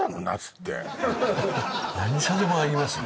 何さでも合いますよ